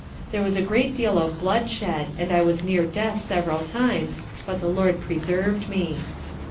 There was a great deal of blood shed, and I was near death several times, but the LORD preserv'd me.